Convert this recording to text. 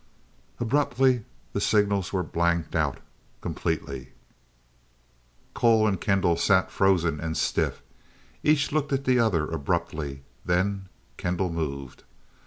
Abruptly the signals were blanked out completely. Cole and Kendall sat frozen and stiff. Each looked at the other abruptly, then Kendall moved.